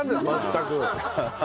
全く。